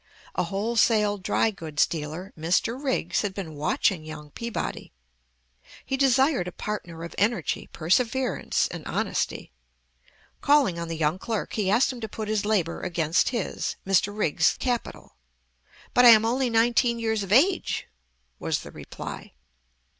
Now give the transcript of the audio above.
A wholesale dry goods dealer, Mr. Riggs, had been watching young Peabody. He desired a partner of energy, perseverance, and honesty. Calling on the young clerk, he asked him to put his labor against his, Mr. Riggs's, capital. "But I am only nineteen years of age," was the reply.